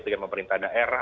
dengan pemerintah daerah